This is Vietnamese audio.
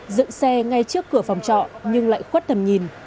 dựng xe ngay trước cửa phòng trọ nhưng lại khuất tầm nhìn